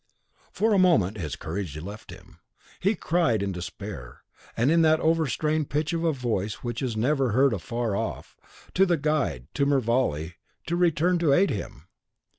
For a moment his courage left him; he cried in despair, and in that overstrained pitch of voice which is never heard afar off, to the guide, to Mervale, to return to aid him.